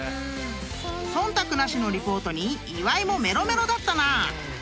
［忖度なしのリポートに岩井もメロメロだったな］